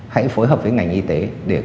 hãy phối hợp với ngành y tế